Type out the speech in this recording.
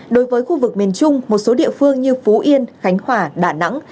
đối với khu vực miền trung một số địa phương như phú yên khánh hòa đà nẵng